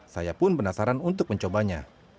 saya pun penasaran untuk mencobanya